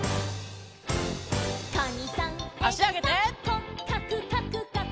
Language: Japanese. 「こっかくかくかく」